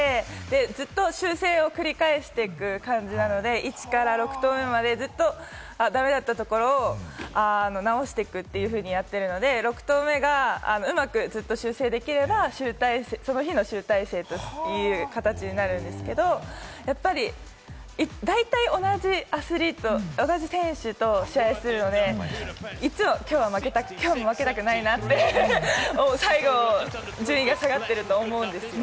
基本的に１回目を投げてみて、ずっと修正を繰り返していく感じなので、１から６投目までずっと駄目だったところを直してやっているので、６投目がうまくずっと修正できれば、集大成、その日の集大成という形になるんですけれども、やっぱり大体同じアスリート、同じ選手と試合をするので、いつもきょうは負けたくないなって、最後順位が下がっていると思うんです。